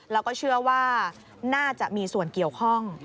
แล้วก็เชื่อว่าน่าจะมีส่วนเกี่ยวข้อง